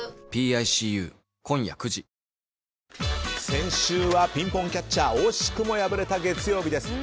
先週はピンポンキャッチャー惜しくも敗れた月曜日です。